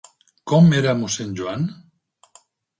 Com era mossèn Joan?